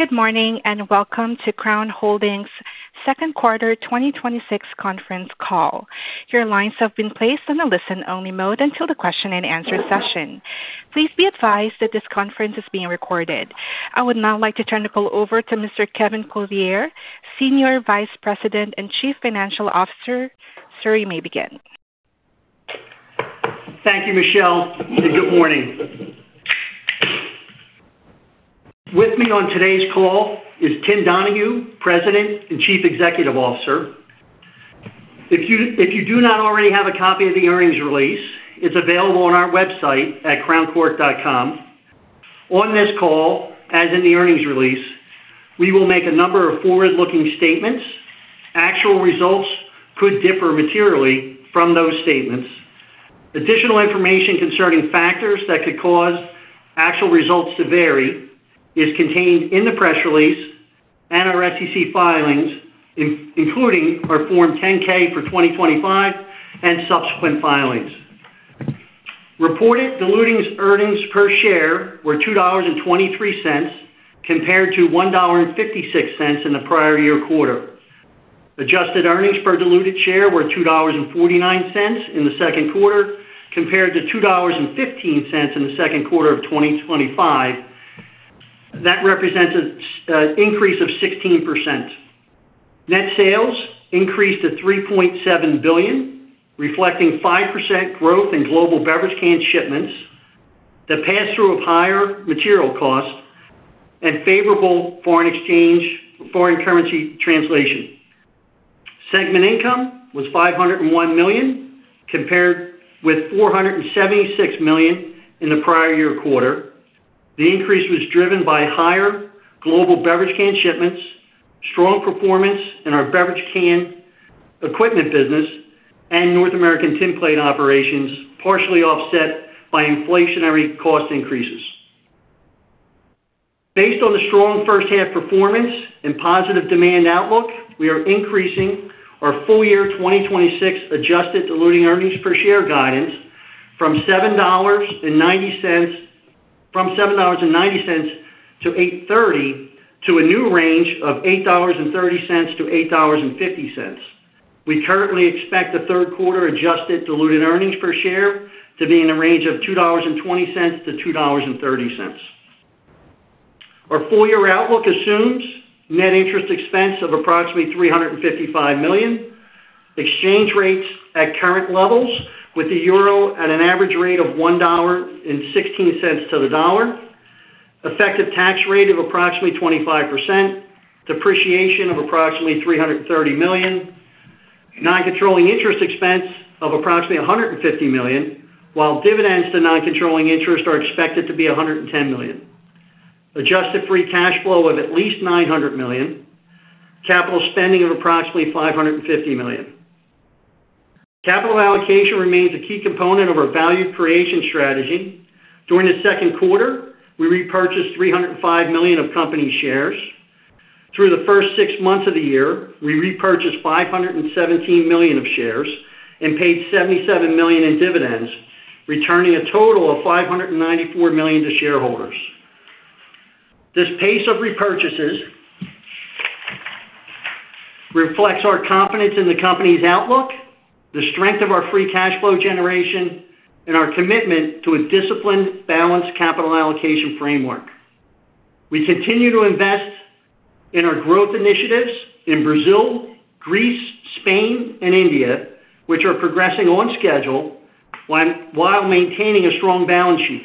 Good morning, and welcome to Crown Holdings' second quarter 2026 conference call. Your lines have been placed in a listen-only mode until the question-and-answer session. Please be advised that this conference is being recorded. I would now like to turn the call over to Mr. Kevin Clothier, Senior Vice President and Chief Financial Officer. Sir, you may begin. Thank you, Michelle, and good morning. With me on today's call is Tim Donahue, President and Chief Executive Officer. If you do not already have a copy of the earnings release, it's available on our website at crowncork.com. On this call, as in the earnings release, we will make a number of forward-looking statements. Actual results could differ materially from those statements. Additional information concerning factors that could cause actual results to vary is contained in the press release and our SEC filings, including our Form 10-K for 2025 and subsequent filings. Reported diluted earnings per share were $2.23, compared to $1.56 in the prior year quarter. Adjusted earnings per diluted share were $2.49 in the second quarter, compared to $2.15 in the second quarter of 2025. That represents an increase of 16%. Net sales increased to $3.7 billion, reflecting 5% growth in global beverage can shipments, the pass-through of higher material costs, and favorable foreign currency translation. Segment income was $501 million, compared with $476 million in the prior year quarter. The increase was driven by higher global beverage can shipments, strong performance in our beverage can equipment business, and North American tin plate operations, partially offset by inflationary cost increases. Based on the strong first-half performance and positive demand outlook, we are increasing our full-year 2026 adjusted diluted earnings per share guidance from $7.90-$8.30 to a new range of $8.30-$8.50. We currently expect the third quarter adjusted diluted earnings per share to be in a range of $2.20-$2.30. Our full-year outlook assumes net interest expense of approximately $355 million, exchange rates at current levels with the euro at an average rate of $1.16 to the dollar, effective tax rate of approximately 25%, depreciation of approximately $330 million, non-controlling interest expense of approximately $150 million, while dividends to non-controlling interest are expected to be $110 million. Adjusted free cash flow of at least $900 million. Capital spending of approximately $550 million. Capital allocation remains a key component of our value creation strategy. During the second quarter, we repurchased $305 million of company shares. Through the first six months of the year, we repurchased $517 million of shares and paid $77 million in dividends, returning a total of $594 million to shareholders. This pace of repurchases reflects our confidence in the company's outlook, the strength of our free cash flow generation, and our commitment to a disciplined, balanced capital allocation framework. We continue to invest in our growth initiatives in Brazil, Greece, Spain, and India, which are progressing on schedule while maintaining a strong balance sheet.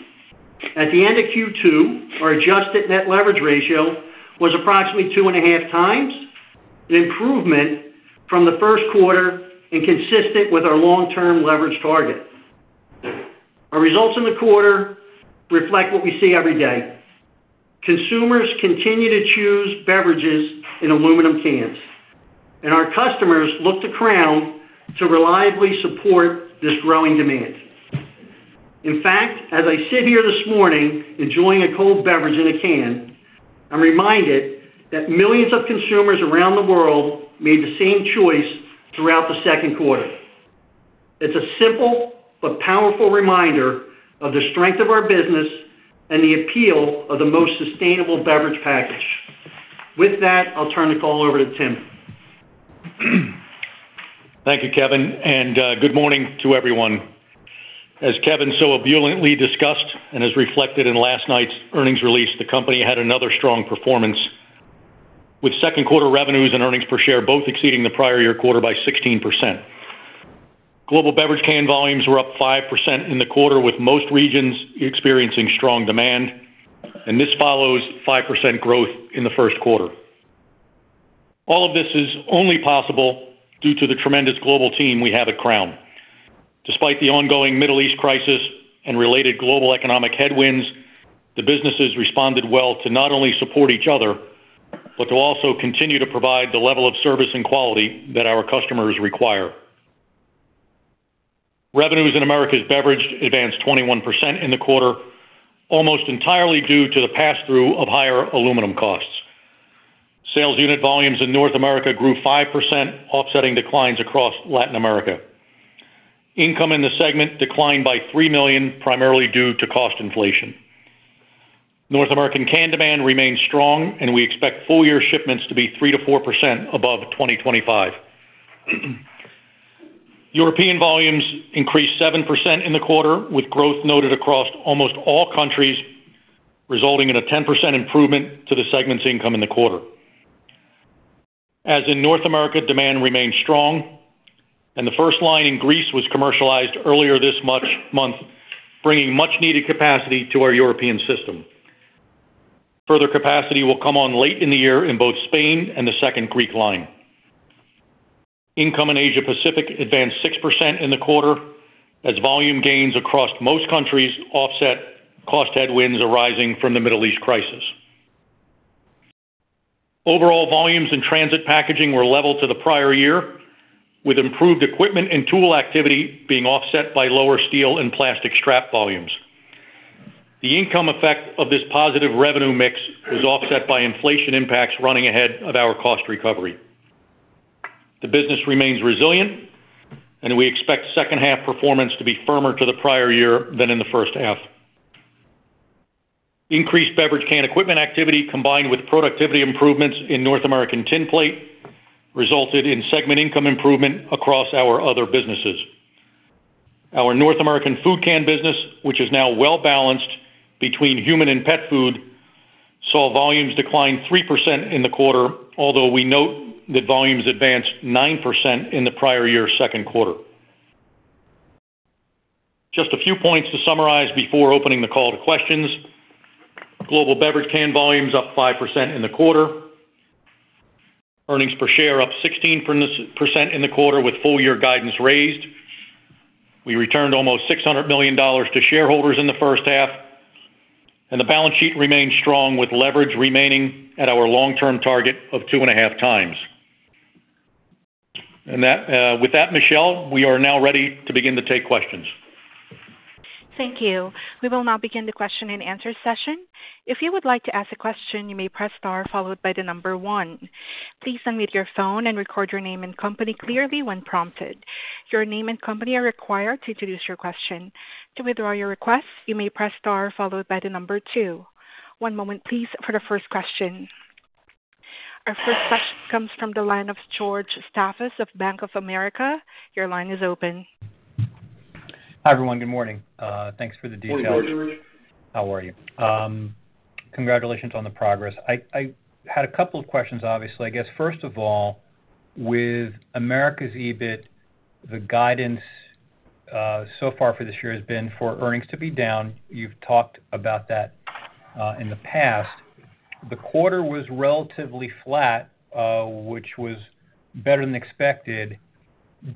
At the end of Q2, our adjusted net leverage ratio was approximately 2.5x, an improvement from the first quarter and consistent with our long-term leverage target. Our results in the quarter reflect what we see every day. Consumers continue to choose beverages in aluminum cans, and our customers look to Crown to reliably support this growing demand. In fact, as I sit here this morning enjoying a cold beverage in a can, I am reminded that millions of consumers around the world made the same choice throughout the second quarter. It's a simple but powerful reminder of the strength of our business and the appeal of the most sustainable beverage package. With that, I will turn the call over to Tim. Thank you, Kevin, and good morning to everyone. As Kevin so ebulliently discussed, as reflected in last night's earnings release, the company had another strong performance, with second quarter revenues and earnings per share both exceeding the prior year quarter by 16%. Global beverage can volumes were up 5% in the quarter, with most regions experiencing strong demand. This follows 5% growth in the first quarter. All of this is only possible due to the tremendous global team we have at Crown. Despite the ongoing Middle East crisis and related global economic headwinds, the businesses responded well to not only support each other, but to also continue to provide the level of service and quality that our customers require. Revenues in Americas Beverage advanced 21% in the quarter, almost entirely due to the pass-through of higher aluminum costs. Sales unit volumes in North America grew 5%, offsetting declines across Latin America. Income in the segment declined by $3 million, primarily due to cost inflation. North American can demand remains strong. We expect full-year shipments to be 3%-4% above 2025. European volumes increased 7% in the quarter, with growth noted across almost all countries, resulting in a 10% improvement to the segment's income in the quarter. As in North America, demand remains strong. The first line in Greece was commercialized earlier this month, bringing much-needed capacity to our European system. Further capacity will come on late in the year in both Spain and the second Greek line. Income in Asia Pacific advanced 6% in the quarter as volume gains across most countries offset cost headwinds arising from the Middle East crisis. Overall volumes in Transit Packaging were level to the prior year, with improved equipment and tool activity being offset by lower steel and plastic strap volumes. The income effect of this positive revenue mix was offset by inflation impacts running ahead of our cost recovery. The business remains resilient, we expect second half performance to be firmer to the prior year than in the first half. Increased beverage can equipment activity, combined with productivity improvements in North American tin plate, resulted in segment income improvement across our other businesses. Our North American food can business, which is now well-balanced between human and pet food, saw volumes decline 3% in the quarter, although we note that volumes advanced 9% in the prior year second quarter. Just a few points to summarize before opening the call to questions. Global beverage can volumes up 5% in the quarter. Earnings per share up 16% in the quarter with full-year guidance raised. We returned almost $600 million to shareholders in the first half. The balance sheet remains strong with leverage remaining at our long-term target of 2.5x. With that, Michelle, we are now ready to begin to take questions. Thank you. We will now begin the question and answer session. If you would like to ask a question, you may press star followed by the number one. Please unmute your phone and record your name and company clearly when prompted. Your name and company are required to introduce your question. To withdraw your request, you may press star followed by the number two. One moment please for the first question. Our first question comes from the line of George Staphos of Bank of America. Your line is open. Hi, everyone. Good morning. Thanks for the details. Good morning, George. How are you? Congratulations on the progress. I had a couple of questions, obviously. I guess, first of all, with Americas EBIT, the guidance so far for this year has been for earnings to be down. You've talked about that in the past. The quarter was relatively flat, which was better than expected.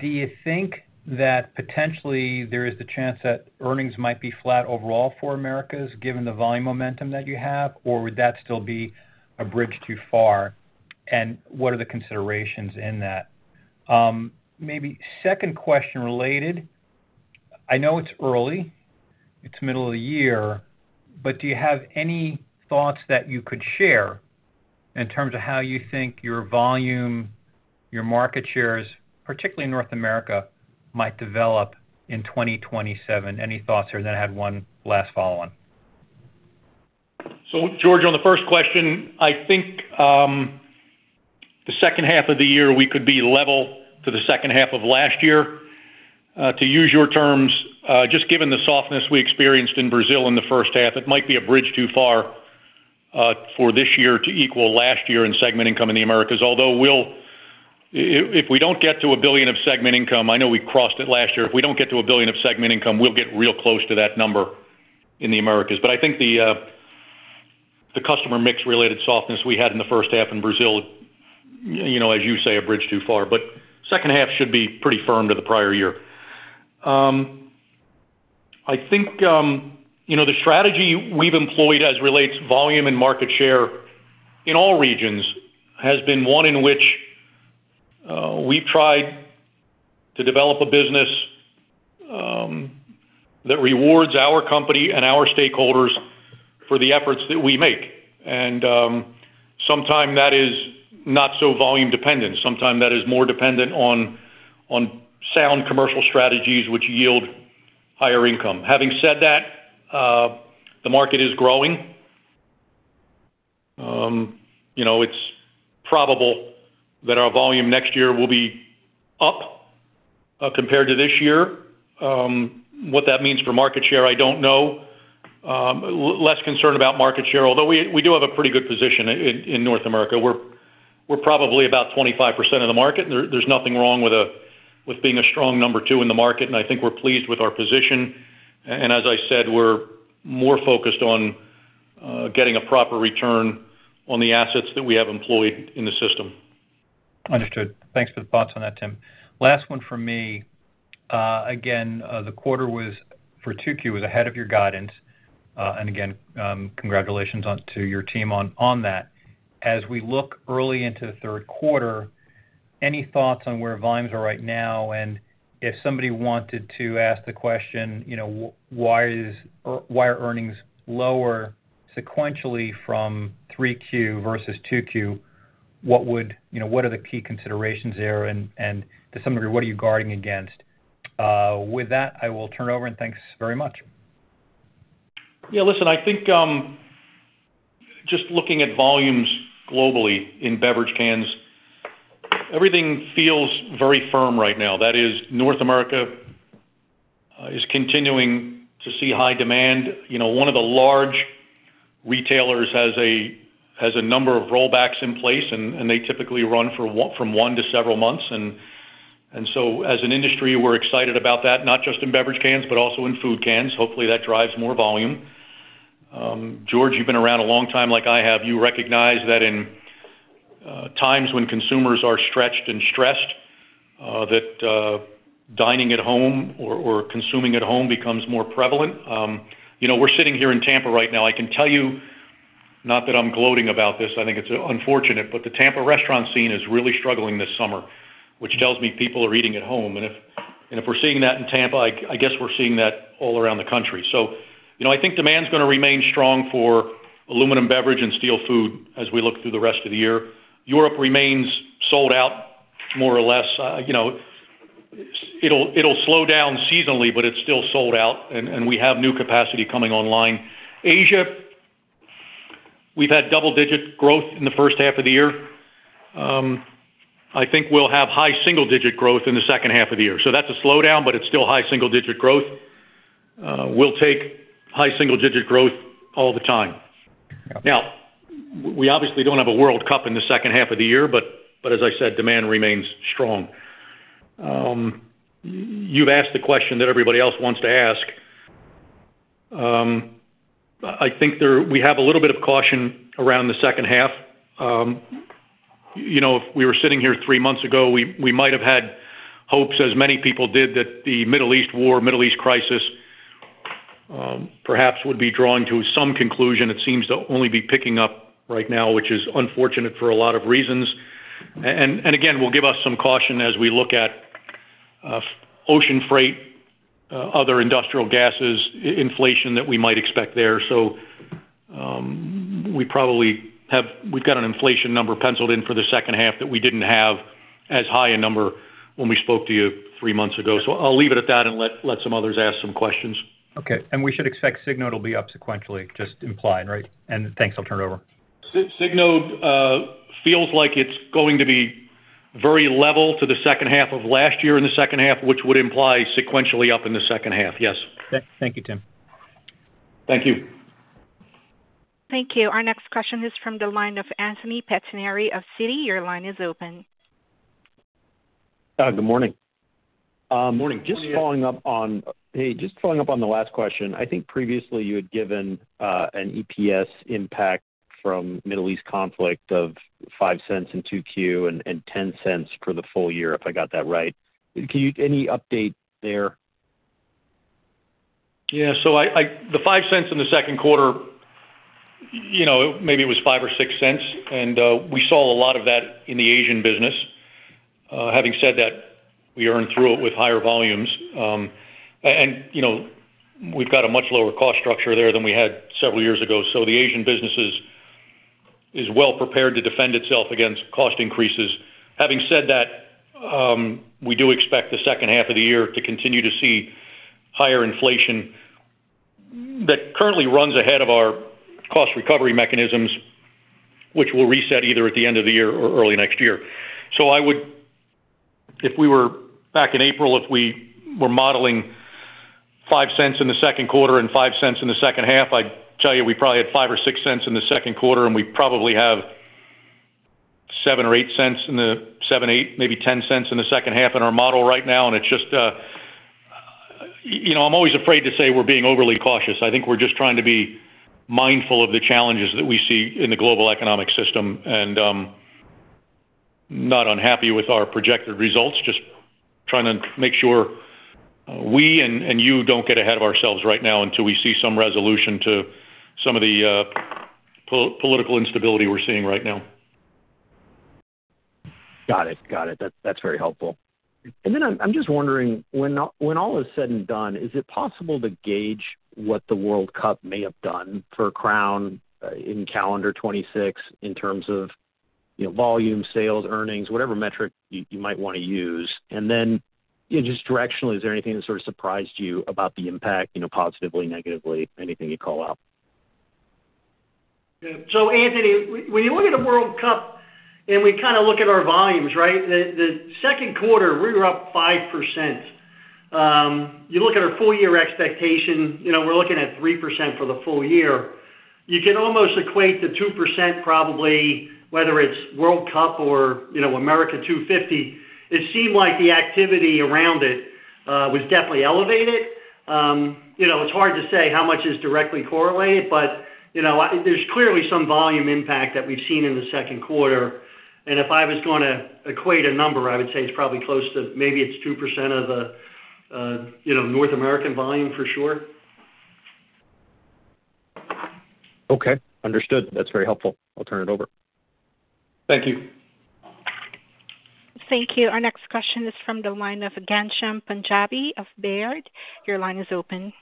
Do you think that potentially there is the chance that earnings might be flat overall for Americas given the volume momentum that you have? Or would that still be a bridge too far? And what are the considerations in that? Maybe second question related. I know it's early, it's middle of the year, but do you have any thoughts that you could share in terms of how you think your volume, your market shares, particularly in North America, might develop in 2027? Any thoughts there? I had one last follow-on. George, on the first question, I think the second half of the year, we could be level to the second half of last year. To use your terms, just given the softness we experienced in Brazil in the first half, it might be a bridge too far for this year to equal last year in segment income in the Americas. Although, if we don't get to $1 billion of segment income, I know we crossed it last year. If we don't get to $1 billion of segment income, we'll get real close to that number in the Americas. I think the customer mix related softness we had in the first half in Brazil, as you say, a bridge too far, but second half should be pretty firm to the prior year. I think the strategy we've employed as relates volume and market share in all regions has been one in which we've tried to develop a business that rewards our company and our stakeholders for the efforts that we make. Sometime that is not so volume dependent. Sometime that is more dependent on sound commercial strategies which yield higher income. Having said that, the market is growing. It's probable that our volume next year will be up compared to this year. What that means for market share, I don't know. Less concerned about market share, although we do have a pretty good position in North America. We're probably about 25% of the market. There's nothing wrong with being a strong number two in the market, and I think we're pleased with our position. As I said, we're more focused on getting a proper return on the assets that we have employed in the system. Understood. Thanks for the thoughts on that, Tim. Last one from me. Again, the quarter for 2Q was ahead of your guidance. Again, congratulations to your team on that. As we look early into the third quarter, any thoughts on where volumes are right now? If somebody wanted to ask the question, why are earnings lower sequentially from 3Q versus 2Q What are the key considerations there? To some degree, what are you guarding against? With that, I will turn over, thanks very much. Listen, I think just looking at volumes globally in beverage cans, everything feels very firm right now. That is, North America is continuing to see high demand. One of the large retailers has a number of rollbacks in place, and they typically run from one to several months. So as an industry, we're excited about that, not just in beverage cans, but also in food cans. Hopefully, that drives more volume. George, you've been around a long time like I have. You recognize that in times when consumers are stretched and stressed, that dining at home or consuming at home becomes more prevalent. We're sitting here in Tampa right now. I can tell you, not that I'm gloating about this, I think it's unfortunate, but the Tampa restaurant scene is really struggling this summer, which tells me people are eating at home. If we're seeing that in Tampa, I guess we're seeing that all around the country. I think demand's going to remain strong for aluminum beverage and steel food as we look through the rest of the year. Europe remains sold out more or less. It'll slow down seasonally, but it's still sold out, and we have new capacity coming online. Asia, we've had double-digit growth in the first half of the year. I think we'll have high single-digit growth in the second half of the year. That's a slowdown, but it's still high single-digit growth. We'll take high single-digit growth all the time. Now, we obviously don't have a World Cup in the second half of the year, as I said, demand remains strong. You've asked the question that everybody else wants to ask. I think we have a little bit of caution around the second half. If we were sitting here three months ago, we might have had hopes, as many people did, that the Middle East war, Middle East crisis, perhaps would be drawing to some conclusion. It seems to only be picking up right now, which is unfortunate for a lot of reasons. Again, will give us some caution as we look at ocean freight, other industrial gases, inflation that we might expect there. We've got an inflation number penciled in for the second half that we didn't have as high a number when we spoke to you three months ago. I'll leave it at that and let some others ask some questions. We should expect Signode will be up sequentially, just implied, right? Thanks. I'll turn it over. Signode feels like it's going to be very level to the second half of last year in the second half, which would imply sequentially up in the second half. Yes. Thank you, Tim. Thank you. Thank you. Our next question is from the line of Anthony Pettinari of Citi. Your line is open. Good morning. Morning. Hey, just following up on the last question. I think previously you had given an EPS impact from Middle East conflict of $0.05 in 2Q and $0.10 for the full year, if I got that right. Any update there? Yeah. The $0.05 in the second quarter, maybe it was $0.05 or $0.06, and we saw a lot of that in the Asia Pacific. Having said that, we earned through it with higher volumes. We've got a much lower cost structure there than we had several years ago. The Asia Pacific is well prepared to defend itself against cost increases. Having said that, we do expect the second half of the year to continue to see higher inflation that currently runs ahead of our cost recovery mechanisms, which will reset either at the end of the year or early next year. Back in April, if we were modeling $0.05 in the second quarter and $0.05 in the second half, I'd tell you we probably had $0.05 or $0.06 in the second quarter, and we probably have $0.07 or $0.08, maybe $0.10 in the second half in our model right now. I'm always afraid to say we're being overly cautious. I think we're just trying to be mindful of the challenges that we see in the global economic system and I'm not unhappy with our projected results. Just trying to make sure we and you don't get ahead of ourselves right now until we see some resolution to some of the political instability we're seeing right now. Got it. That's very helpful. I'm just wondering, when all is said and done, is it possible to gauge what the World Cup may have done for Crown in calendar 2026 in terms of volume, sales, earnings, whatever metric you might want to use? Just directionally, is there anything that sort of surprised you about the impact, positively, negatively, anything you'd call out? Anthony, when you look at a World Cup and we kind of look at our volumes, right? The second quarter, we were up 5%. You look at our full-year expectation, we're looking at 3% for the full year. You can almost equate the 2% probably, whether it's World Cup or America 250, it seemed like the activity around it was definitely elevated. It's hard to say how much is directly correlated, but there's clearly some volume impact that we've seen in the second quarter. If I was going to equate a number, I would say it's probably close to maybe it's 2% of North American volume for sure. Okay, understood. That's very helpful. I'll turn it over. Thank you. Thank you. Our next question is from the line of Ghansham Panjabi of Baird. Your line is open.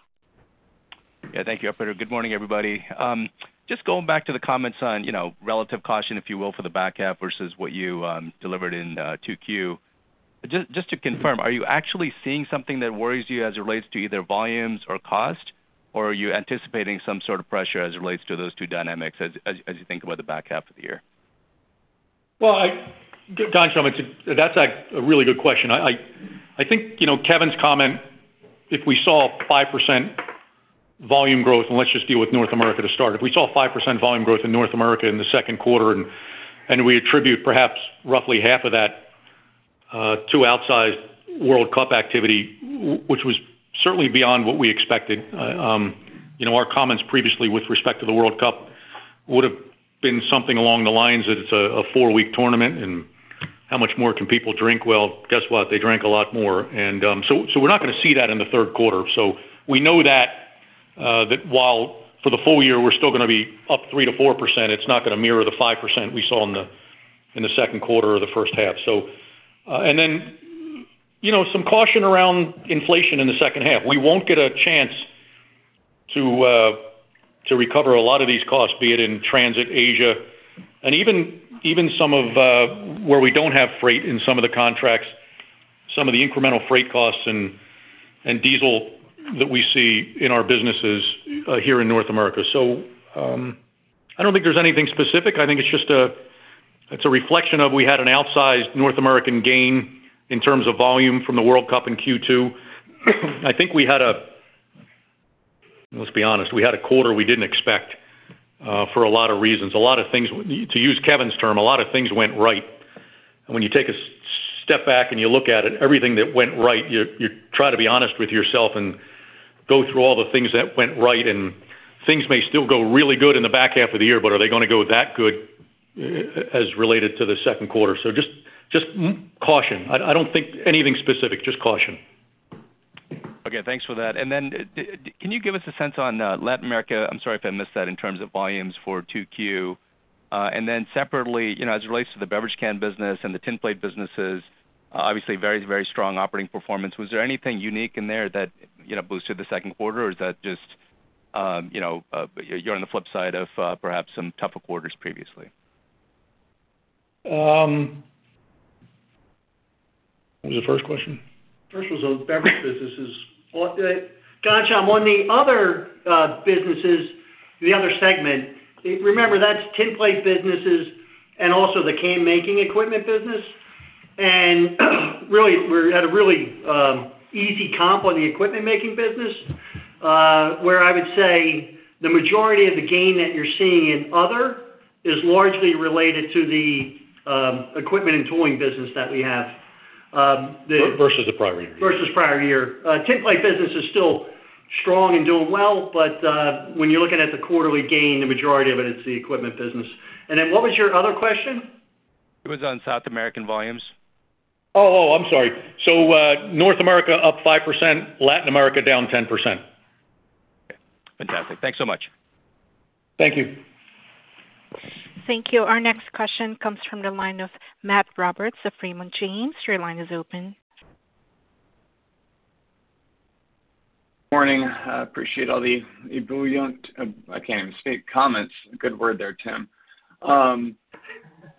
Yeah, thank you, operator. Good morning, everybody. Just going back to the comments on relative caution, if you will, for the back half versus what you delivered in 2Q. Just to confirm, are you actually seeing something that worries you as it relates to either volumes or cost? Or are you anticipating some sort of pressure as it relates to those two dynamics as you think about the back half of the year? Well, Ghansham, that's a really good question. I think Kevin's comment, if we saw 5% volume growth, and let's just deal with North America to start. If we saw 5% volume growth in North America in the second quarter, and we attribute perhaps roughly half of that to outsized World Cup activity, which was certainly beyond what we expected. Our comments previously with respect to the World Cup would've been something along the lines that it's a four-week tournament and how much more can people drink? Well, guess what? They drank a lot more. So we're not going to see that in the third quarter. We know that while for the full year, we're still going to be up 3%-4%, it's not going to mirror the 5% we saw in the second quarter or the first half. Some caution around inflation in the second half. We won't get a chance to recover a lot of these costs, be it in transit Asia and even some of where we don't have freight in some of the contracts, some of the incremental freight costs and diesel that we see in our businesses here in North America. I don't think there's anything specific. I think it's a reflection of we had an outsized North American gain in terms of volume from the World Cup in Q2. I think we had a, let's be honest, we had a quarter we didn't expect, for a lot of reasons. To use Kevin's term, a lot of things went right. When you take a step back and you look at it, everything that went right, you try to be honest with yourself and go through all the things that went right. Things may still go really good in the back half of the year, but are they going to go that good as related to the second quarter? Just caution. I don't think anything specific, just caution. Okay. Thanks for that. Can you give us a sense on Latin America, I'm sorry if I missed that in terms of volumes for 2Q. Separately, as it relates to the beverage can business and the tinplate businesses, obviously very strong operating performance. Was there anything unique in there that boosted the second quarter? Or is that just you're on the flip side of perhaps some tougher quarters previously? What was the first question? First was on beverage businesses. Ghansham, on the other businesses, the other segment, remember, that's tinplate businesses and also the can-making equipment business. We had a really easy comp on the equipment-making business, where I would say the majority of the gain that you're seeing in other is largely related to the equipment and tooling business that we have. Versus the prior year. Versus prior year. Tin plate business is still strong and doing well, when you're looking at the quarterly gain, the majority of it's the equipment business. What was your other question? It was on South American volumes. Oh, I'm sorry. North America up 5%, Latin America down 10%. Okay. Fantastic. Thanks so much. Thank you. Thank you. Our next question comes from the line of Matt Roberts of Raymond James. Your line is open. Morning. I appreciate all the ebullient, I can't even speak, comments. Good word there, Tim.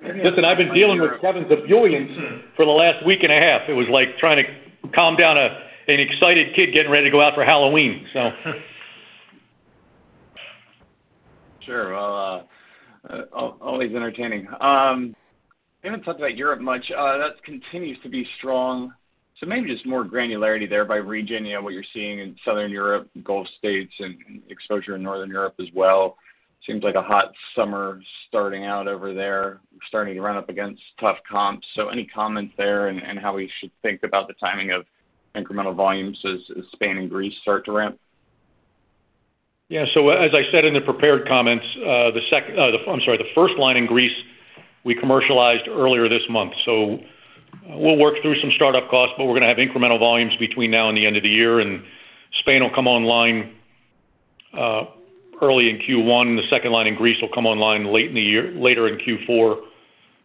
Listen, I've been dealing with Kevin's ebullience for the last week and a half. It was like trying to calm down an excited kid getting ready to go out for Halloween. Sure. Always entertaining. You haven't talked about Europe much. That continues to be strong. Maybe just more granularity there by region, what you're seeing in Southern Europe, Gulf States, and exposure in Northern Europe as well. Seems like a hot summer starting out over there, starting to run up against tough comps. Any comments there and how we should think about the timing of incremental volumes as Spain and Greece start to ramp? Yeah. As I said in the prepared comments, the first line in Greece we commercialized earlier this month. We'll work through some startup costs, but we're going to have incremental volumes between now and the end of the year, and Spain will come online early in Q1. The second line in Greece will come online later in Q4.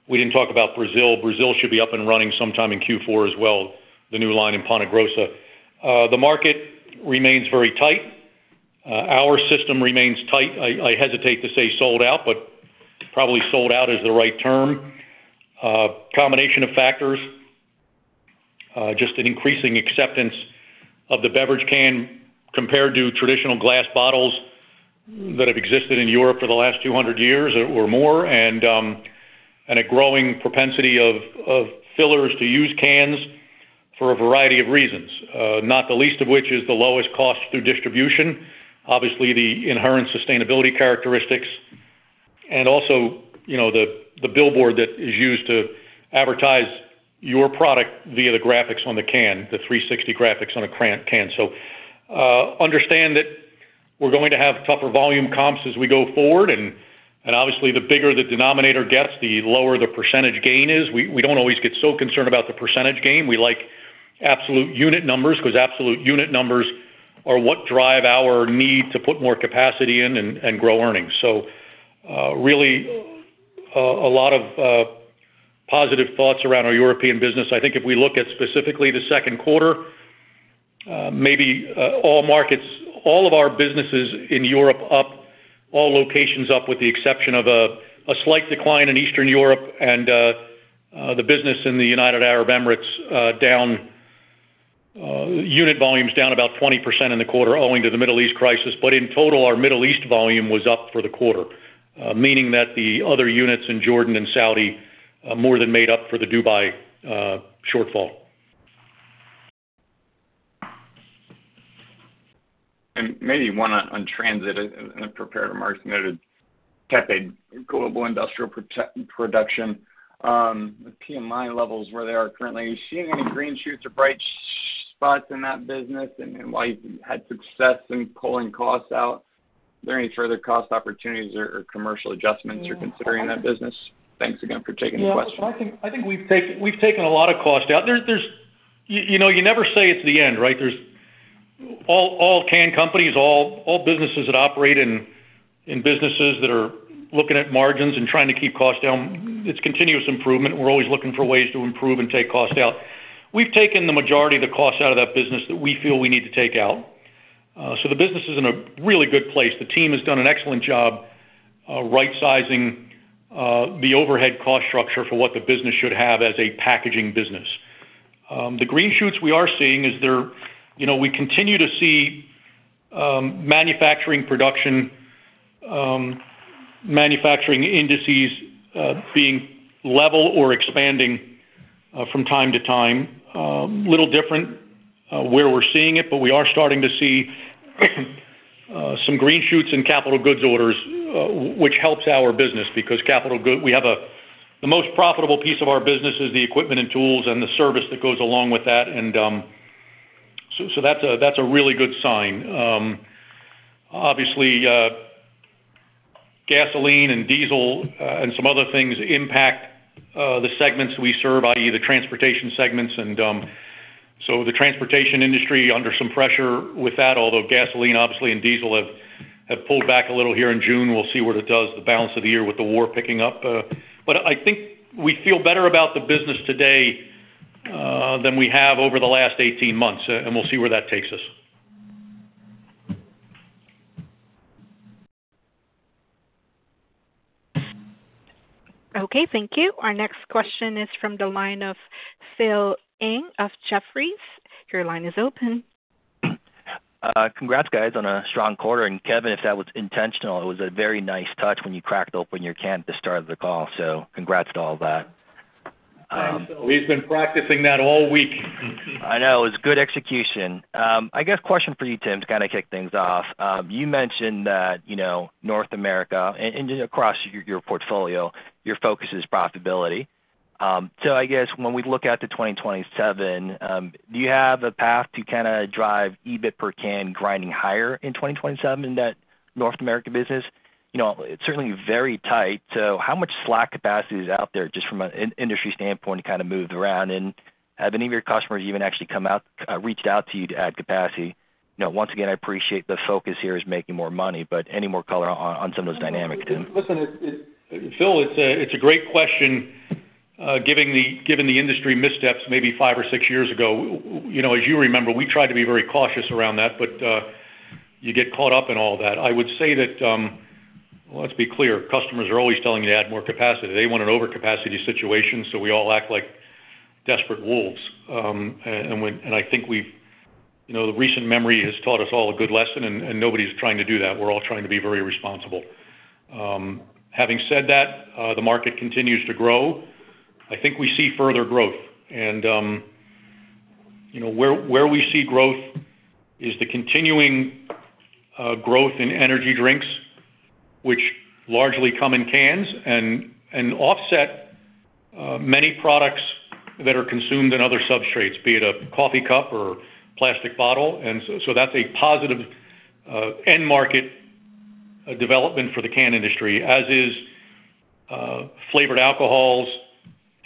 We didn't talk about Brazil. Brazil should be up and running sometime in Q4 as well, the new line in Ponta Grossa. The market remains very tight. Our system remains tight. I hesitate to say sold out, but probably sold out is the right term. Combination of factors, just an increasing acceptance of the beverage can compared to traditional glass bottles that have existed in Europe for the last 200 years or more, and a growing propensity of fillers to use cans for a variety of reasons. Not the least of which is the lowest cost through distribution. Obviously, the inherent sustainability characteristics and also the billboard that is used to advertise your product via the graphics on the can, the 360 graphics on a can. Understand that we're going to have tougher volume comps as we go forward, and obviously the bigger the denominator gets, the lower the percentage gain is. We don't always get concerned about the percentage gain. We like absolute unit numbers because absolute unit numbers are what drive our need to put more capacity in and grow earnings. Really a lot of positive thoughts around our European business. I think if we look at specifically the second quarter, maybe all markets, all of our businesses in Europe up, all locations up, with the exception of a slight decline in Eastern Europe and the business in the United Arab Emirates down. Unit volumes down about 20% in the quarter owing to the Middle East crisis. In total, our Middle East volume was up for the quarter, meaning that the other units in Jordan and Saudi more than made up for the Dubai shortfall. Maybe one on Transit. In the prepared remarks, you noted tepid global industrial production. The PMI levels where they are currently. Are you seeing any green shoots or bright spots in that business? While you had success in pulling costs out, are there any further cost opportunities or commercial adjustments you're considering in that business? Thanks again for taking the question. I think we've taken a lot of cost out. You never say it's the end, right? All can companies, all businesses that operate in businesses that are looking at margins and trying to keep costs down, it's continuous improvement. We're always looking for ways to improve and take costs out. We've taken the majority of the costs out of that business that we feel we need to take out. The business is in a really good place. The team has done an excellent job right-sizing the overhead cost structure for what the business should have as a packaging business. The green shoots we are seeing is we continue to see manufacturing production, manufacturing indices being level or expanding from time to time. Little different where we're seeing it, we are starting to see some green shoots in capital goods orders, which helps our business because the most profitable piece of our business is the equipment and tools and the service that goes along with that. That's a really good sign. Obviously, gasoline and diesel and some other things impact the segments we serve, i.e., the transportation segments. The transportation industry under some pressure with that, although gasoline obviously and diesel have pulled back a little here in June. We'll see what it does the balance of the year with the war picking up. I think we feel better about the business today than we have over the last 18 months, and we'll see where that takes us. Okay, thank you. Our next question is from the line of Phil Ng of Jefferies. Your line is open. Congrats, guys, on a strong quarter. Kevin, if that was intentional, it was a very nice touch when you cracked open your can at the start of the call. Congrats to all that. He's been practicing that all week. I know. It was good execution. I guess question for you, Tim, to kind of kick things off. You mentioned that North America and across your portfolio, your focus is profitability. I guess when we look at the 2027, do you have a path to kind of drive EBIT per can grinding higher in 2027 in that North American business? It's certainly very tight. How much slack capacity is out there just from an industry standpoint to kind of move around? Have any of your customers even actually reached out to you to add capacity? Once again, I appreciate the focus here is making more money, any more color on some of those dynamics, Tim? Listen, Phil, it's a great question given the industry missteps maybe five or six years ago. As you remember, we tried to be very cautious around that, but you get caught up in all that. I would say that, let's be clear, customers are always telling you to add more capacity. They want an overcapacity situation, so we all act like desperate wolves. I think the recent memory has taught us all a good lesson, and nobody's trying to do that. We're all trying to be very responsible. Having said that, the market continues to grow. I think we see further growth. Where we see growth is the continuing growth in energy drinks, which largely come in cans and offset many products that are consumed in other substrates, be it a coffee cup or plastic bottle. That's a positive end market development for the can industry, as is flavored alcohols,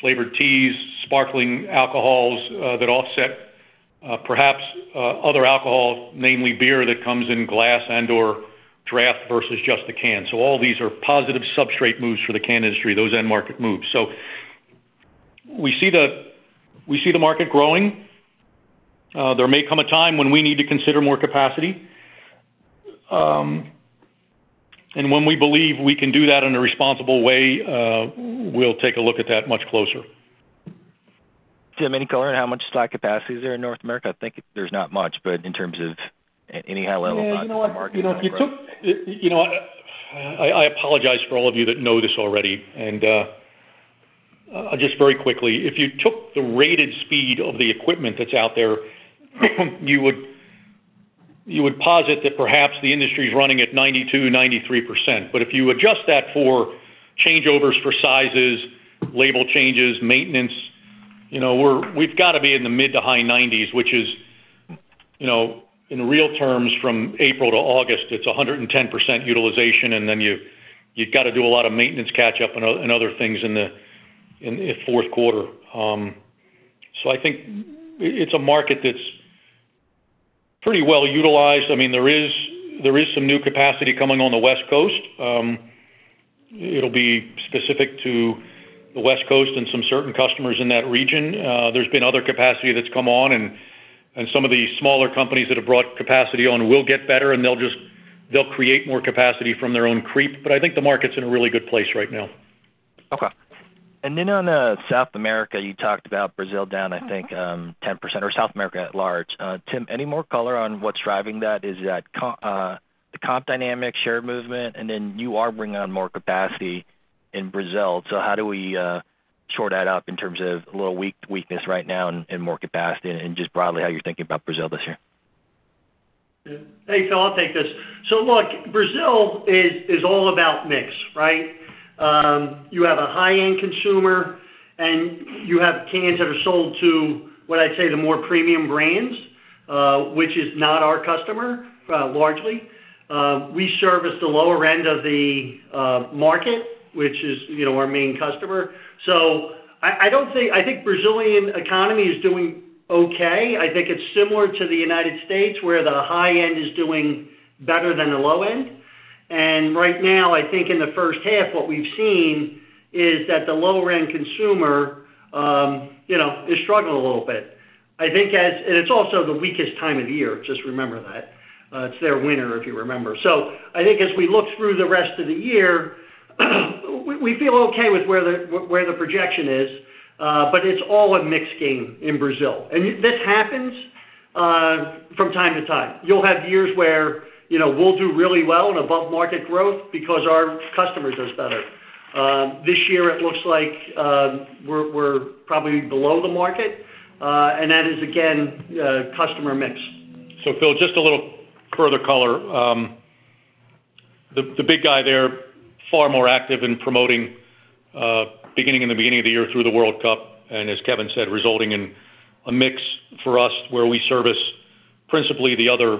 flavored teas, sparkling alcohols that offset perhaps other alcohol, namely beer, that comes in glass and/or draft versus just the can. All these are positive substrate moves for the can industry, those end market moves. We see the market growing. There may come a time when we need to consider more capacity. When we believe we can do that in a responsible way, we'll take a look at that much closer. Tim, any color on how much slack capacity is there in North America? I think there's not much, but in terms of any high-level thoughts on the market going forward. I apologize for all of you that know this already. Just very quickly, if you took the rated speed of the equipment that's out there, you would posit that perhaps the industry is running at 92%-93%. If you adjust that for changeovers for sizes, label changes, maintenance, we've got to be in the mid to high 90s, which is, in real terms from April to August, it's 110% utilization, and then you've got to do a lot of maintenance catch up and other things in the fourth quarter. I think it's a market that's pretty well utilized. There is some new capacity coming on the West Coast. It'll be specific to the West Coast and some certain customers in that region. There's been other capacity that's come on. Some of the smaller companies that have brought capacity on will get better. They'll create more capacity from their own creep. I think the market's in a really good place right now. Okay. On South America, you talked about Brazil down, I think, 10% or South America at large. Tim, any more color on what's driving that? Is that the comp dynamic share movement? You are bringing on more capacity in Brazil. How do we shore that up in terms of a little weakness right now and more capacity and just broadly how you're thinking about Brazil this year? Hey, Phil, I'll take this. Look, Brazil is all about mix, right? You have a high-end consumer. You have cans that are sold to, what I'd say, the more premium brands, which is not our customer, largely. We service the lower end of the market, which is our main customer. I think Brazilian economy is doing okay. I think it's similar to the United States, where the high end is doing better than the low end. Right now, I think in the first half, what we've seen is that the lower-end consumer is struggling a little bit. It's also the weakest time of year, just remember that. It's their winter, if you remember. I think as we look through the rest of the year, we feel okay with where the projection is. It's all a mix game in Brazil. This happens from time to time. You'll have years where we'll do really well above market growth because our customer does better. This year, it looks like we're probably below the market. That is, again, customer mix. Phil, just a little further color. The big guy there, far more active in promoting beginning in the beginning of the year through the World Cup, and as Kevin said, resulting in a mix for us where we service principally the other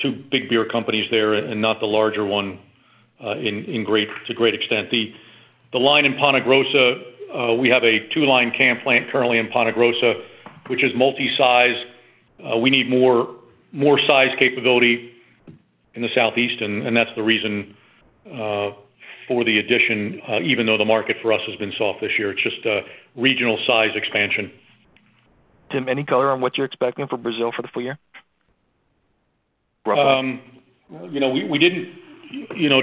two big beer companies there and not the larger one to a great extent. The line in Ponta Grossa, we have a two-line can plant currently in Ponta Grossa, which is multi-size. We need more size capability in the South East, and that's the reason for the addition, even though the market for us has been soft this year. It's just a regional size expansion. Tim, any color on what you're expecting for Brazil for the full year? To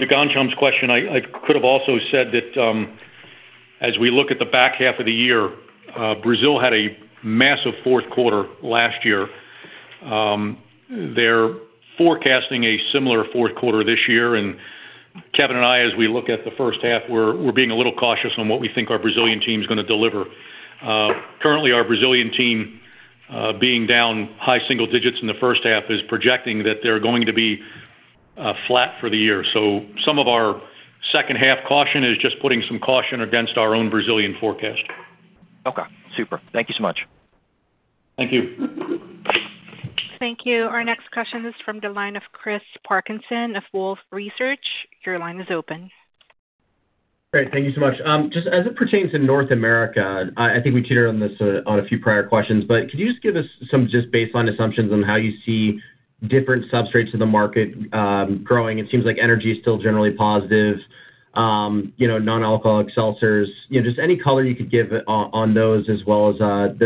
Ghansham's question, I could have also said that as we look at the back half of the year, Brazil had a massive fourth quarter last year. They're forecasting a similar fourth quarter this year, and Kevin and I, as we look at the first half, we're being a little cautious on what we think our Brazilian team's going to deliver. Currently, our Brazilian team, being down high single digits in the first half, is projecting that they're going to be flat for the year. Some of our second half caution is just putting some caution against our own Brazilian forecast. Okay, super. Thank you so much. Thank you. Thank you. Our next question is from the line of Chris Parkinson of Wolfe Research. Your line is open. Great. Thank you so much. Just as it pertains to North America, I think we teetered on this on a few prior questions, but could you just give us some baseline assumptions on how you see different substrates of the market growing? It seems like energy is still generally positive. Non-alcoholic seltzers, just any color you could give on those as well as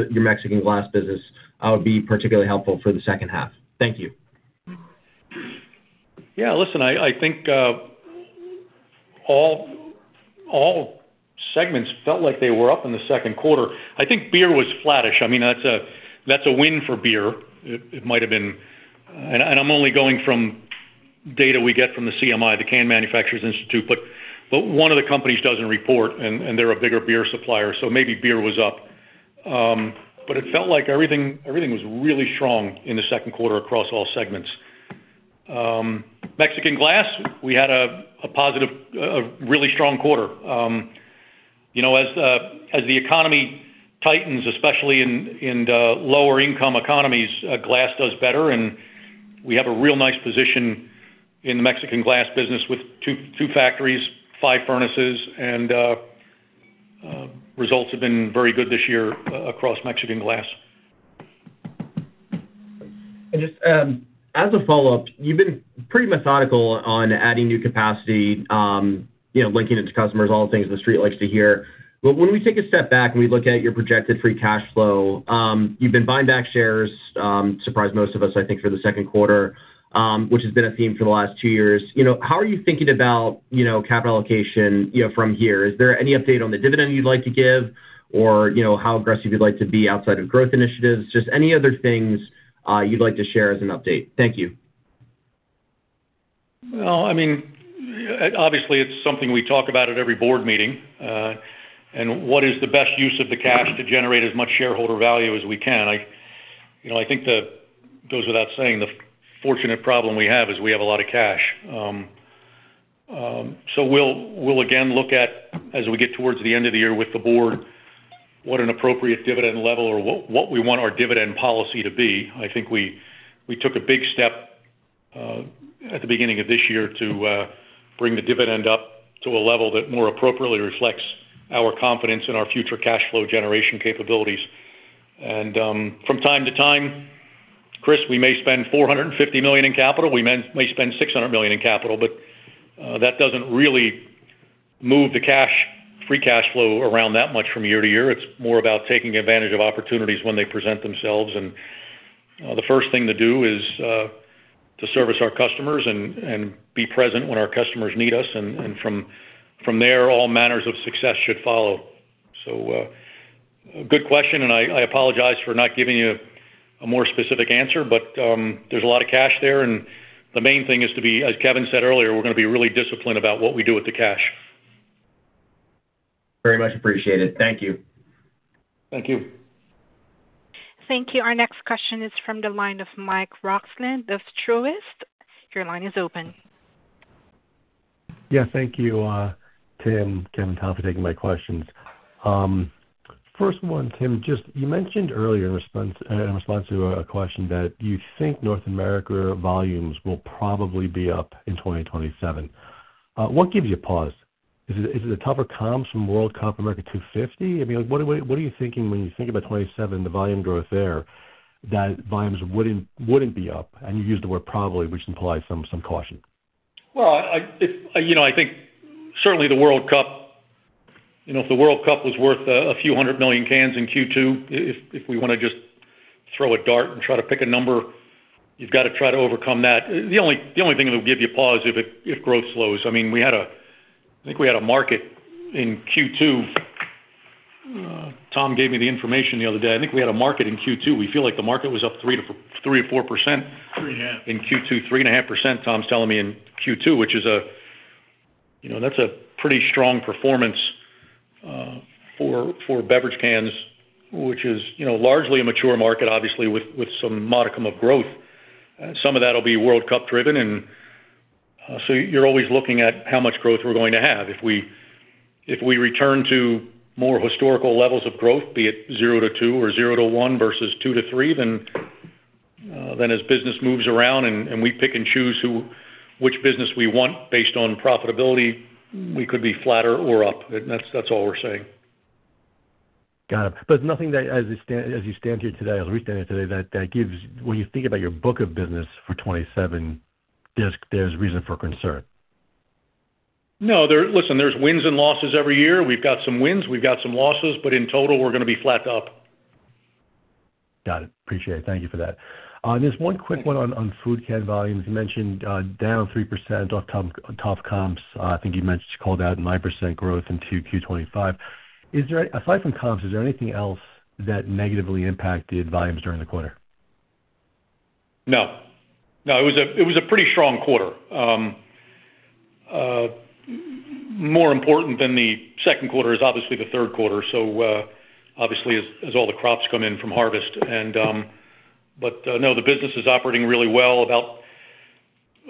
your Mexican glass business would be particularly helpful for the second half. Thank you. Listen, I think all segments felt like they were up in the second quarter. I think beer was flattish. That's a win for beer. I'm only going from data we get from the CMI, the Can Manufacturers Institute. One of the companies doesn't report, and they're a bigger beer supplier, so maybe beer was up. It felt like everything was really strong in the second quarter across all segments. Mexican glass, we had a really strong quarter. As the economy tightens, especially in the lower income economies, glass does better, and we have a real nice position in the Mexican glass business with two factories, five furnaces, and results have been very good this year across Mexican glass. Just as a follow-up, you've been pretty methodical on adding new capacity, linking it to customers, all the things the street likes to hear. When we take a step back and we look at your projected free cash flow, you've been buying back shares, surprised most of us, I think, for the second quarter, which has been a theme for the last two years. How are you thinking about capital allocation from here? Is there any update on the dividend you'd like to give or how aggressive you'd like to be outside of growth initiatives? Just any other things you'd like to share as an update. Thank you. Well, obviously, it's something we talk about at every board meeting. What is the best use of the cash to generate as much shareholder value as we can? I think that goes without saying, the fortunate problem we have is we have a lot of cash. We'll again look at, as we get towards the end of the year with the board, what an appropriate dividend level or what we want our dividend policy to be. I think we took a big step at the beginning of this year to bring the dividend up to a level that more appropriately reflects our confidence in our future cash flow generation capabilities. From time to time, Chris, we may spend $450 million in capital, we may spend $600 million in capital, but that doesn't really move the free cash flow around that much from year to year. It's more about taking advantage of opportunities when they present themselves. The first thing to do is to service our customers and be present when our customers need us. From there, all manners of success should follow. Good question, and I apologize for not giving you a more specific answer, but there's a lot of cash there, and the main thing is to be, as Kevin said earlier, we're going to be really disciplined about what we do with the cash. Very much appreciated. Thank you. Thank you. Thank you. Our next question is from the line of Mike Roxland of Truist Securities. Your line is open. Thank you, Tim, Kevin, Tom, for taking my questions. First one, Tim, just you mentioned earlier in response to a question that you think North America volumes will probably be up in 2027. What gives you pause? Is it the tougher comps from World Cup America 250? What are you thinking when you think about 2027, the volume growth there, that volumes wouldn't be up? You used the word probably, which implies some caution. I think certainly the World Cup. If the World Cup was worth a few hundred million cans in Q2, if we want to just throw a dart and try to pick a number, you've got to try to overcome that. The only thing that'll give you pause, if growth slows. I think we had a market in Q2. Tom gave me the information the other day. I think we had a market in Q2. We feel like the market was up 3%-4% in Q2. 3.5%. 3.5%, Tom's telling me, in Q2, which is a pretty strong performance for beverage cans, which is largely a mature market, obviously, with some modicum of growth. Some of that will be World Cup driven. You're always looking at how much growth we're going to have. If we return to more historical levels of growth, be it zero to two or zero to one versus two to three, as business moves around and we pick and choose which business we want based on profitability, we could be flatter or up. That's all we're saying. Got it. Nothing that as you stand here today, as we stand here today, that gives, when you think about your book of business for 2027, there's reason for concern. No. Listen, there's wins and losses every year. We've got some wins, we've got some losses. In total, we're going to be flat to up. Got it. Appreciate it. Thank you for that. Just one quick one on food can volumes. You mentioned down 3% off top comps. I think you mentioned, called out 9% growth in 2Q 2025. Aside from comps, is there anything else that negatively impacted volumes during the quarter? No. It was a pretty strong quarter. More important than the second quarter is obviously the third quarter, so obviously as all the crops come in from harvest. No, the business is operating really well.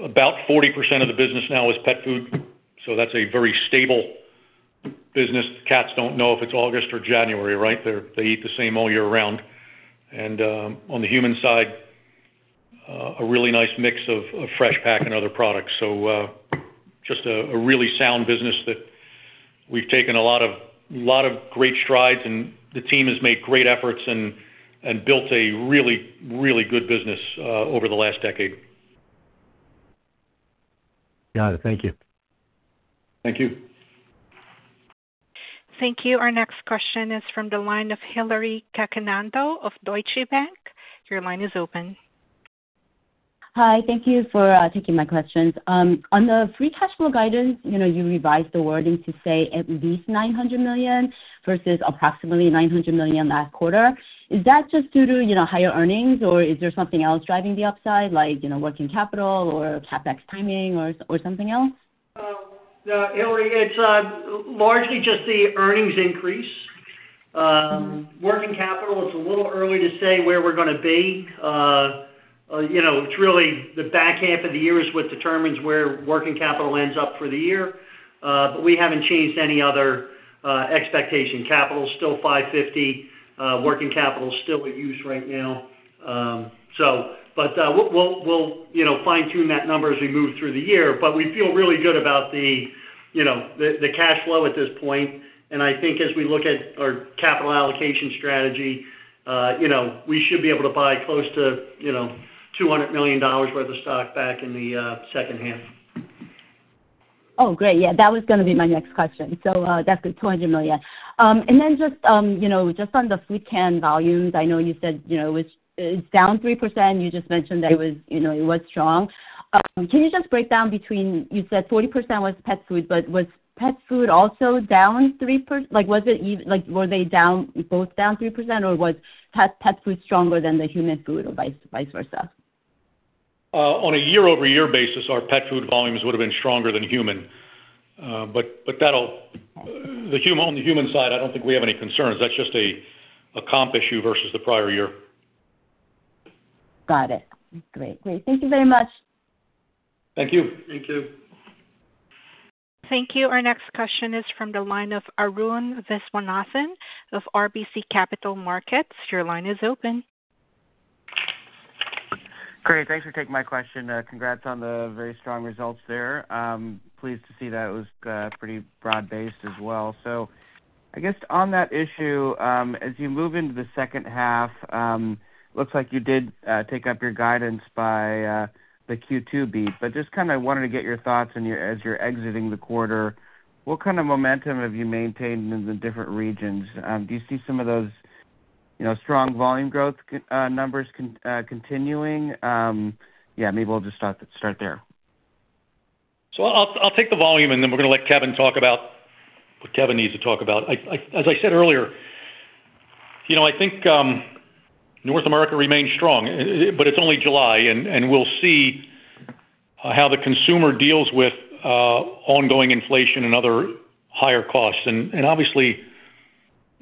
About 40% of the business now is pet food, so that's a very stable business. Cats don't know if it's August or January, right? They eat the same all year round. On the human side, a really nice mix of fresh pack and other products. Just a really sound business that we've taken a lot of great strides and the team has made great efforts and built a really, really good business over the last decade. Got it. Thank you. Thank you. Thank you. Our next question is from the line of Hillary Cacanando of Deutsche Bank. Your line is open. Hi. Thank you for taking my questions. On the free cash flow guidance, you revised the wording to say at least $900 million versus approximately $900 million last quarter. Is that just due to higher earnings or is there something else driving the upside, like working capital or CapEx timing or something else? Hillary, it's largely just the earnings increase. Working capital, it's a little early to say where we're going to be. It's really the back half of the year is what determines where working capital ends up for the year. We haven't changed any other expectation. Capital's still $550 million. Working capital is still at use right now. We'll fine-tune that number as we move through the year. We feel really good about the cash flow at this point, and I think as we look at our capital allocation strategy, we should be able to buy close to $200 million worth of stock back in the second half. Oh, great. Yeah, that was going to be my next question. That's good, $200 million. Just on the food can volumes, I know you said it's down 3%. You just mentioned that it was strong. Can you just break down between, you said 40% was pet food, but was pet food also down 3%? Were they both down 3%, or was pet food stronger than the human food or vice versa? On a year-over-year basis, our pet food volumes would have been stronger than human. On the human side, I don't think we have any concerns. That's just a comp issue versus the prior year. Got it. Great. Thank you very much. Thank you. Thank you. Thank you. Our next question is from the line of Arun Viswanathan of RBC Capital Markets. Your line is open. Great. Thanks for taking my question. Congrats on the very strong results there. Pleased to see that it was pretty broad-based as well. I guess on that issue, as you move into the second half, looks like you did take up your guidance by the Q2 beat, just kind of wanted to get your thoughts as you're exiting the quarter, what kind of momentum have you maintained in the different regions? Do you see some of those strong volume growth numbers continuing? Yeah, maybe we'll just start there. I'll take the volume and then we're going to let Kevin talk about what Kevin needs to talk about. As I said earlier, I think North America remains strong, it's only July, and we'll see how the consumer deals with ongoing inflation and other higher costs. Obviously,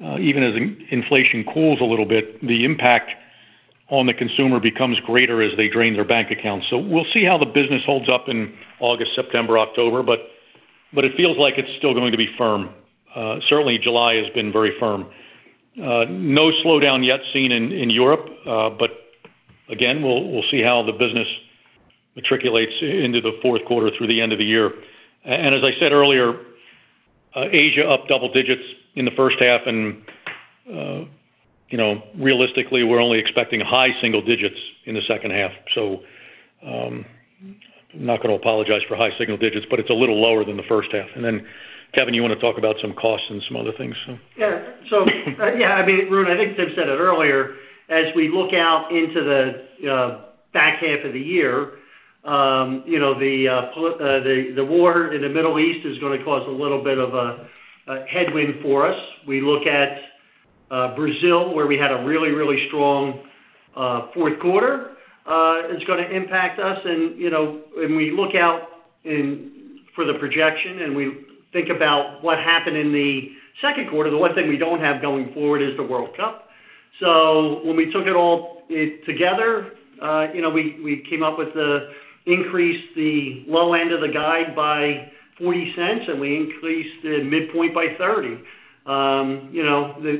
even as inflation cools a little bit, the impact on the consumer becomes greater as they drain their bank accounts. We'll see how the business holds up in August, September, October, it feels like it's still going to be firm. Certainly, July has been very firm. No slowdown yet seen in Europe. Again, we'll see how the business matriculates into the fourth quarter through the end of the year. As I said earlier, Asia up double digits in the first half, realistically, we're only expecting high single digits in the second half. I'm not going to apologize for high single digits, it's a little lower than the first half. Then Kevin, you want to talk about some costs and some other things? Yeah. Yeah, Arun, I think Tim said it earlier, as we look out into the back half of the year, the war in the Middle East is going to cause a little bit of a headwind for us. We look at Brazil, where we had a really, really strong fourth quarter. It's going to impact us. When we look out for the projection, and we think about what happened in the second quarter, the one thing we don't have going forward is the World Cup. When we took it all together, we came up with the increase the low end of the guide by $0.40, and we increased the midpoint by $0.30.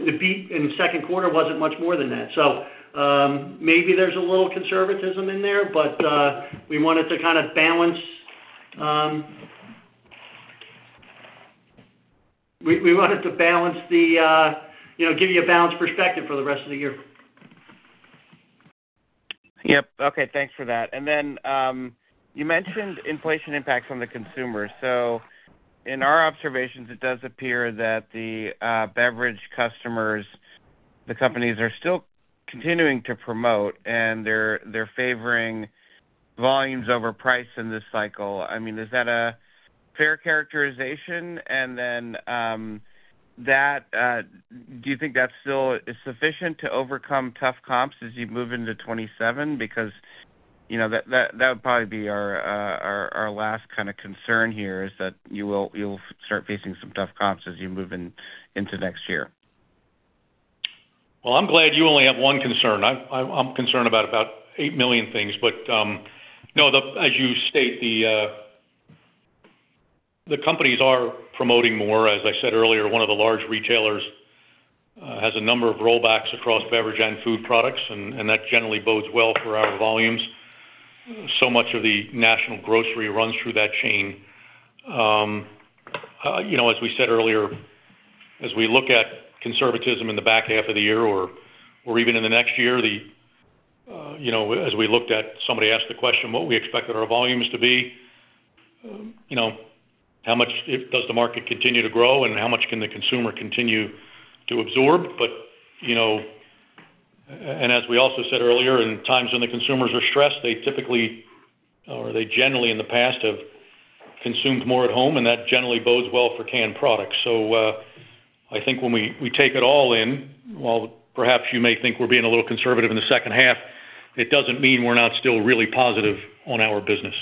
The beat in the second quarter wasn't much more than that. Maybe there's a little conservatism in there, but we wanted to give you a balanced perspective for the rest of the year. Yep. Okay. Thanks for that. Then, you mentioned inflation impacts on the consumer. In our observations, it does appear that the beverage customers, the companies are still continuing to promote, and they're favoring volumes over price in this cycle. Is that a fair characterization? Then, do you think that still is sufficient to overcome tough comps as you move into 2027? Because that would probably be our last kind of concern here, is that you'll start facing some tough comps as you move into next year. Well, I'm glad you only have one concern. I'm concerned about eight million things. No, as you state, the companies are promoting more. As I said earlier, one of the large retailers has a number of rollbacks across beverage and food products, and that generally bodes well for our volumes. Much of the national grocery runs through that chain. As we said earlier, as we look at conservatism in the back half of the year or even in the next year, as we looked at, somebody asked the question, what we expected our volumes to be. How much does the market continue to grow and how much can the consumer continue to absorb? As we also said earlier, in times when the consumers are stressed, they typically, or they generally in the past have consumed more at home, and that generally bodes well for canned products. I think when we take it all in, while perhaps you may think we're being a little conservative in the second half, it doesn't mean we're not still really positive on our business.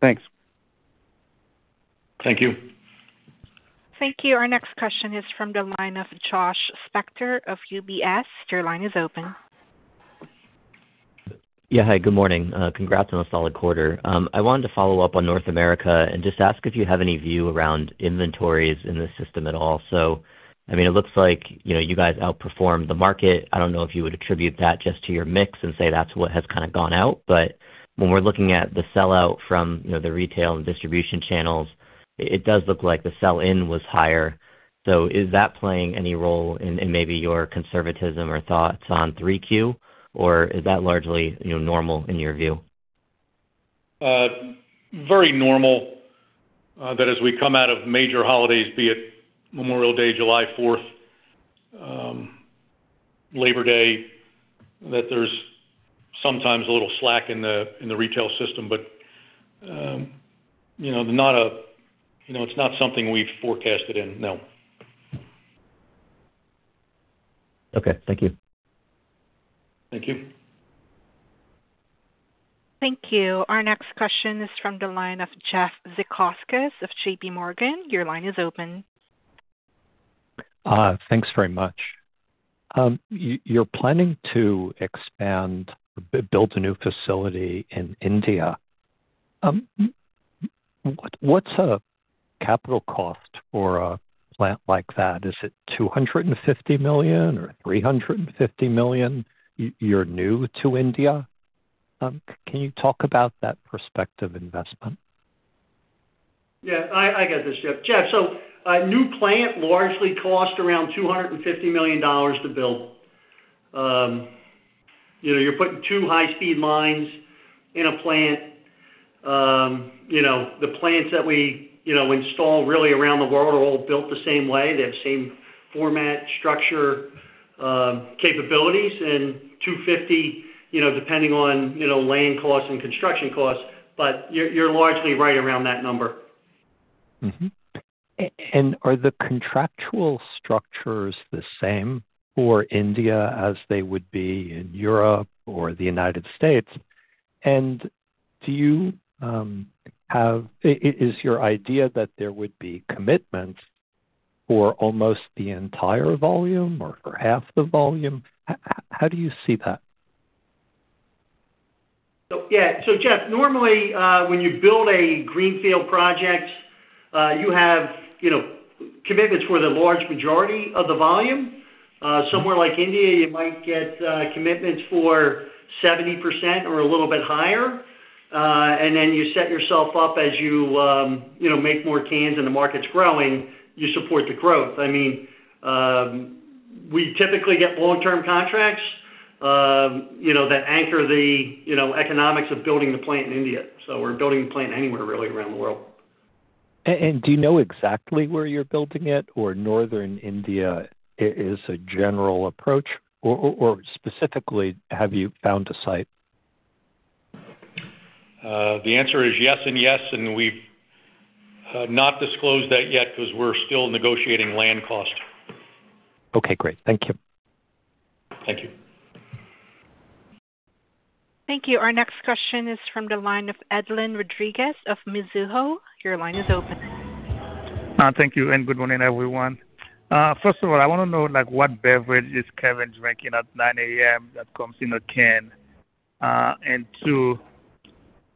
Thanks. Thank you. Thank you. Our next question is from the line of Josh Spector of UBS. Your line is open. Hi, good morning. Congrats on a solid quarter. I wanted to follow up on North America and just ask if you have any view around inventories in the system at all. It looks like you guys outperformed the market. I don't know if you would attribute that just to your mix and say that's what has kind of gone out. When we're looking at the sell-out from the retail and distribution channels, it does look like the sell-in was higher. Is that playing any role in maybe your conservatism or thoughts on Q3? Or is that largely normal in your view? Very normal, that as we come out of major holidays, be it Memorial Day, July 4th, Labor Day, that there's sometimes a little slack in the retail system. It's not something we've forecasted in, no. Okay. Thank you. Thank you. Thank you. Our next question is from the line of Jeff Zekauskas of JPMorgan. Your line is open. Thanks very much. You're planning to expand, build a new facility in India. What's a capital cost for a plant like that? Is it $250 million or $350 million? You're new to India. Can you talk about that prospective investment? Yeah, I get this, Jeff. A new plant largely cost around $250 million to build. You're putting two high-speed lines in a plant. The plants that we install really around the world are all built the same way. They have the same format, structure, capabilities, and $250, depending on land costs and construction costs, but you're largely right around that number. Are the contractual structures the same for India as they would be in Europe or the United States? Is your idea that there would be commitments for almost the entire volume or for half the volume? How do you see that? Jeff, normally, when you build a greenfield project, you have commitments for the large majority of the volume. Somewhere like India, you might get commitments for 70% or a little bit higher, and then you set yourself up as you make more cans, and the market's growing, you support the growth. We typically get long-term contracts that anchor the economics of building the plant in India. We're building a plant anywhere really around the world. Do you know exactly where you're building it, or Northern India is a general approach? Specifically, have you found a site? The answer is yes and yes. We've not disclosed that yet because we're still negotiating land cost. Okay, great. Thank you. Thank you. Thank you. Our next question is from the line of Edlain Rodriguez of Mizuho. Your line is open. Thank you, and good morning, everyone. First of all, I want to know what beverage is Kevin drinking at 9:00 A.M. that comes in a can. Two,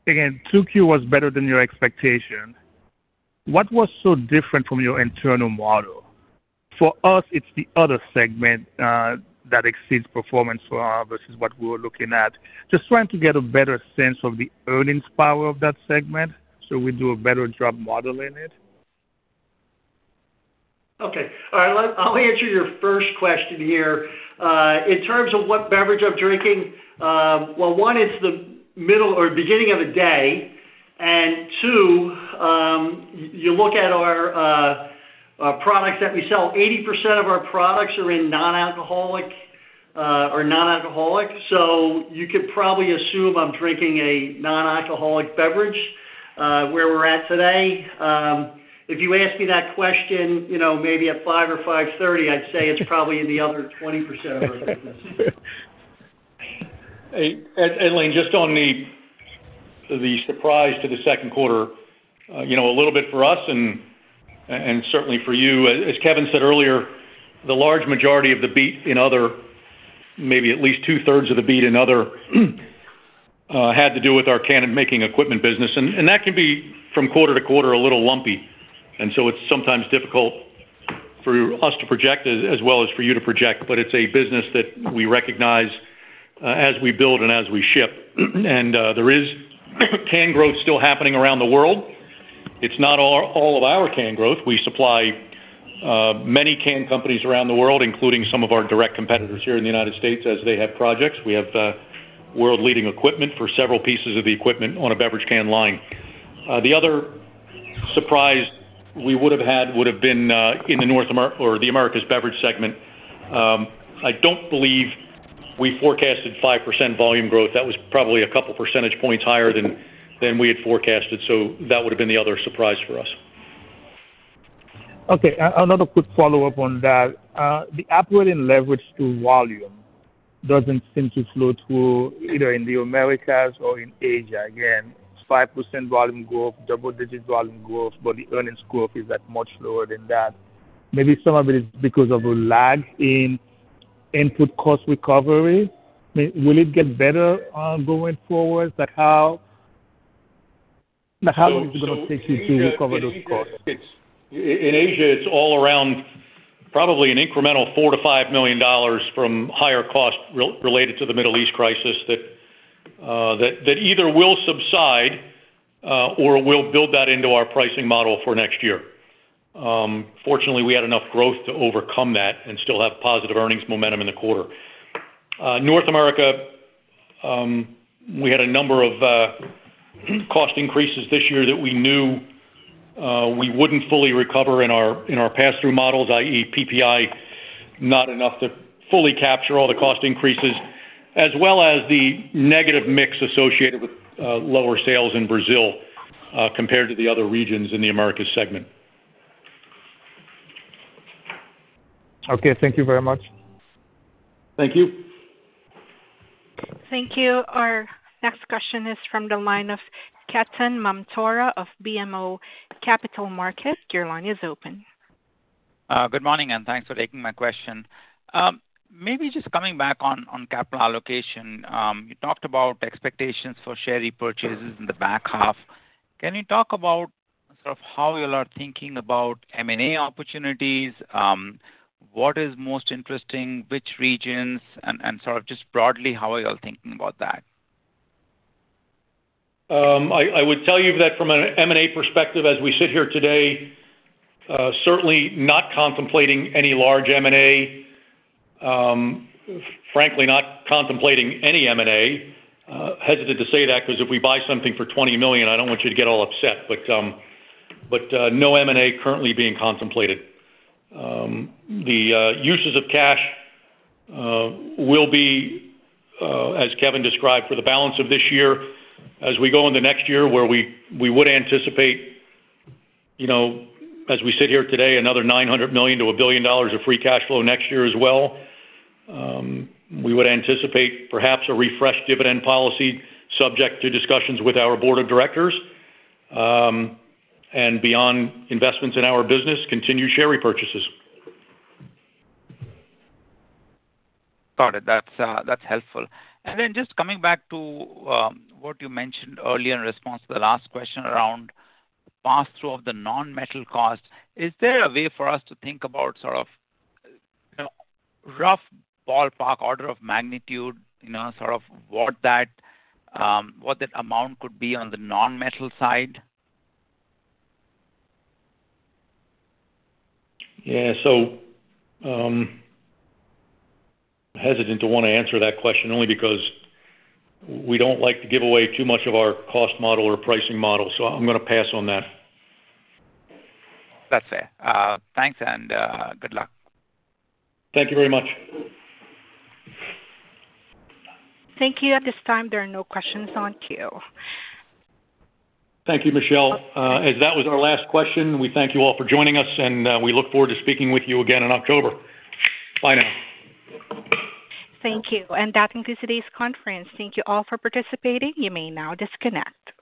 again, 2Q was better than your expectation. What was so different from your internal model? For us, it's the other segment that exceeds performance for us versus what we were looking at. Just trying to get a better sense of the earnings power of that segment so we do a better job modeling it. Okay. All right. I'll answer your first question here. In terms of what beverage I'm drinking, well, one, it's the middle or beginning of the day, and two, you look at our products that we sell, 80% of our products are non-alcoholic. You could probably assume I'm drinking a non-alcoholic beverage, where we're at today. If you ask me that question maybe at 5:00 or 5:30, I'd say it's probably in the other 20% of our business. Edlain, just on the surprise to the second quarter, a little bit for us and certainly for you, as Kevin said earlier, the large majority of the beat in other, maybe at least two-thirds of the beat in other had to do with our can and making equipment business. That can be from quarter to quarter, a little lumpy. It's sometimes difficult for us to project as well as for you to project, but it's a business that we recognize as we build and as we ship. There is can growth still happening around the world. It's not all of our can growth. We supply many can companies around the world, including some of our direct competitors here in the U.S. as they have projects. We have world-leading equipment for several pieces of the equipment on a beverage can line. The other surprise we would have had would have been in the Americas Beverage segment. I don't believe we forecasted 5% volume growth. That was probably a couple percentage points higher than we had forecasted, so that would have been the other surprise for us. Okay. Another quick follow-up on that. The operating leverage to volume doesn't seem to flow through either in the Americas or in Asia. Again, 5% volume growth, double-digit volume growth, the earnings growth is at much lower than that. Maybe some of it is because of a lag in input cost recovery. Will it get better going forward? How long is it going to take you to recover those costs? In Asia, it's all around probably an incremental $4 million-$5 million from higher costs related to the Middle East crisis that either will subside or we'll build that into our pricing model for next year. Fortunately, we had enough growth to overcome that and still have positive earnings momentum in the quarter. North America, we had a number of cost increases this year that we knew we wouldn't fully recover in our pass-through models, i.e., PPI, not enough to fully capture all the cost increases, as well as the negative mix associated with lower sales in Brazil compared to the other regions in the Americas segment. Okay. Thank you very much. Thank you. Thank you. Our next question is from the line of Ketan Mamtora of BMO Capital Markets. Your line is open. Good morning. Thanks for taking my question. Maybe just coming back on capital allocation. You talked about expectations for share repurchases in the back half. Can you talk about how you all are thinking about M&A opportunities? What is most interesting, which regions, just broadly, how are you all thinking about that? I would tell you that from an M&A perspective, as we sit here today, certainly not contemplating any large M&A. Frankly, not contemplating any M&A. Hesitant to say that because if we buy something for $20 million, I don't want you to get all upset, but no M&A currently being contemplated. The uses of cash will be, as Kevin described, for the balance of this year, as we go into next year, where we would anticipate, as we sit here today, another $900 million to $1 billion of free cash flow next year as well. We would anticipate perhaps a refreshed dividend policy subject to discussions with our board of directors. Beyond investments in our business, continued share repurchases. Got it. That's helpful. Then just coming back to what you mentioned earlier in response to the last question around pass-through of the non-metal cost, is there a way for us to think about rough ballpark order of magnitude, what that amount could be on the non-metal side? Yeah. Hesitant to want to answer that question only because we don't like to give away too much of our cost model or pricing model. I'm going to pass on that. That's it. Thanks and good luck. Thank you very much. Thank you. At this time, there are no questions on queue. Thank you, Michelle. As that was our last question, we thank you all for joining us, and we look forward to speaking with you again in October. Bye now. Thank you. That concludes today's conference. Thank you all for participating. You may now disconnect.